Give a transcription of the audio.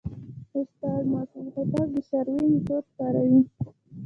استاد معصوم هوتک د سروې میتود کاروي.